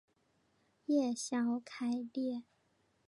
叶鞘开裂。